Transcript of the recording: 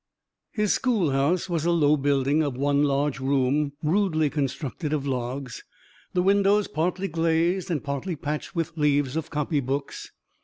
His schoolhouse was a low building of one large room, rudely constructed of logs, the windows partly glazed and partly patched with leaves of copy books.